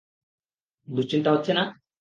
দুশ্চিন্তা হচ্ছে না?